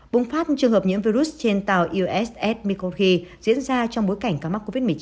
bùng phát trường hợp nhiễm virus trên tàu uss microgi diễn ra trong bối cảnh ca mắc covid một mươi chín